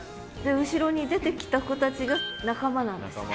後ろに出てきた子たちが仲間なんですか？